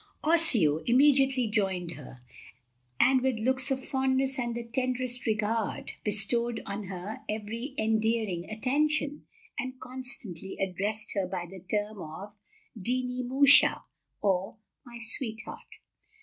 Osseo immediately joined her, and with looks of fondness and the tenderest regard bestowed on her every endearing attention, and constantly addressed her by the term of "De ne moosh a," or "my sweetheart."